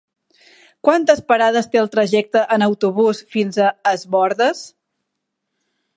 Quantes parades té el trajecte en autobús fins a Es Bòrdes?